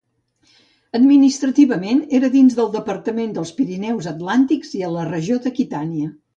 Administrativament era dins el departament dels Pirineus Atlàntics i a la regió d'Aquitània.